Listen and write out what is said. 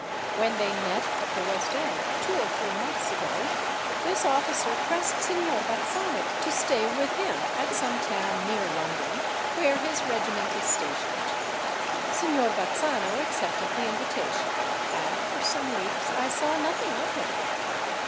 When they met at the West End two or three months ago, this officer pressed Signor Bazzano to stay with him at some town near London, where his regiment is stationed. Signor Bazzano accepted the invitation; and for some weeks I saw nothing of him.